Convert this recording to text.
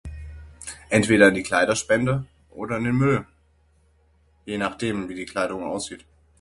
Entweder in die Kleiderspende oder in den Müll, je nachdem wie die Kleidung aussieht.